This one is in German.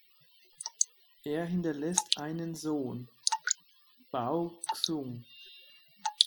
Er hinterlässt einen Sohn: Bao Xun.